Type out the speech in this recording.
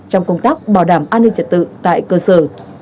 trong công tác bảo đảm an ninh trật tự tại cơ sở